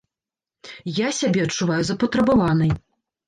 Я сябе адчуваю запатрабаванай.